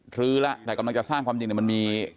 หรือแล้วแต่กำลังจะสร้างความจริงเนี่ยมันมี